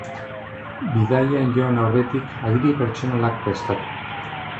Bidaian joan aurretik agiri pertsonalak prestatu.